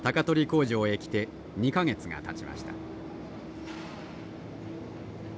工場へ来て２か月がたちました。